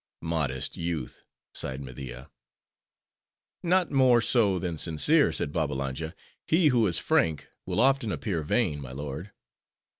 "Modest youth!" sighed Media. "Not more so, than sincere," said Babbalanja. "He who is frank, will often appear vain, my lord.